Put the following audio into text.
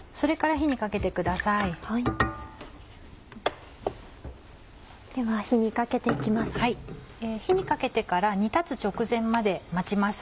火にかけてから煮立つ直前まで待ちます。